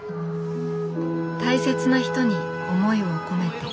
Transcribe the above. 大切な人に思いを込めて。